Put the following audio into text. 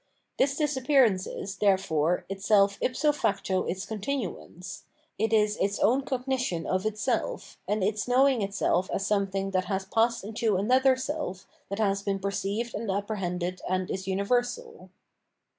This disappearance is, therefore, itself ipso facto its continuance ; it is its own cognition of itself, and its knowing itseK as something that has passed into another self that has been perceived and apprehended and is universal.